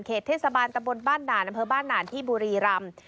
เทศบาลตะบนบ้านด่านอำเภอบ้านด่านที่บุรีรำ